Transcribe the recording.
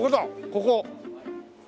ここ。